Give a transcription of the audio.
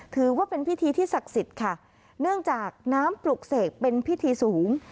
ถือว่าเป็นพิธีที่ศักดิ์สิทธิ์ค่ะเนื่องจากน้ำปลุกเสกเป็นพิธีสูง